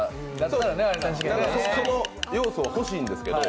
そこ、要素は欲しいんですけど。